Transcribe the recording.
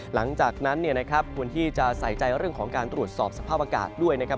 หลังจากนั้นเนี่ยนะครับควรที่จะใส่ใจเรื่องของการตรวจสอบสภาพอากาศด้วยนะครับ